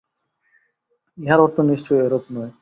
ইহার অর্থ নিশ্চয়ই এরূপ নয়।